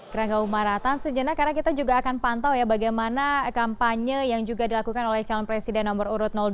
kerangga umaratan sejenak karena kita juga akan pantau ya bagaimana kampanye yang juga dilakukan oleh calon presiden nomor urut dua